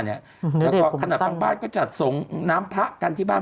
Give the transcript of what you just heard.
แล้วก็ขนาดทางบ้านก็จัดส่งน้ำพระกันที่บ้าน